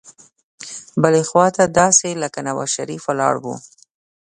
بلې خوا ته داسې لکه نوزا شریف ولاړ وو.